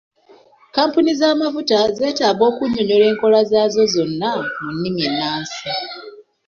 Kampuni z'amafuta zetaaga okunyonyola enkola zaazo zonna mu nnimi ennansi.